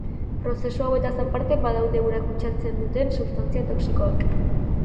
Prozesu hauetaz aparte badaude ura kutsatzen duten substantzia toxikoak.